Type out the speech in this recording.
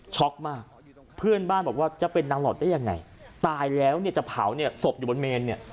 ช็อกมากเพื่อนบ้านบอกว่าจะเป็นนางหลอดได้ยังไงตายแล้วจะเผาศพอยู่บนเมน